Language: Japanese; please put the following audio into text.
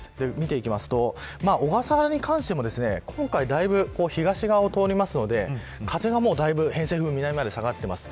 見ていきますと小笠原に関しても今回、だいぶ東側を通りますので偏西風が南まで下がっています。